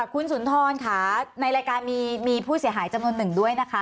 คุณสุนทรค่ะในรายการมีผู้เสียหายจำนวนหนึ่งด้วยนะคะ